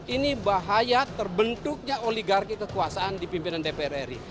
ini bahaya terbentuknya oligarki kekuasaan di pimpinan dpr ri